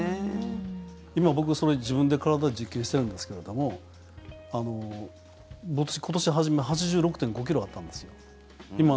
今、僕、それ自分で体、実験してるんですけど今年初め８６．５ｋｇあったんですよ。